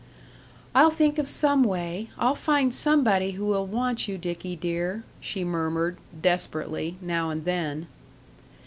"I'll think of some way I'll find somebody who will want you, Dickie dear," she murmured, desperately, now and then.